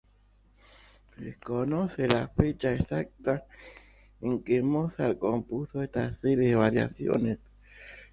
Se desconoce la fecha exacta en que Mozart compuso estas series de variaciones.